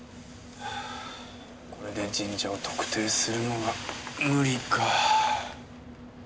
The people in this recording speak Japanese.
これで神社を特定するのは無理か。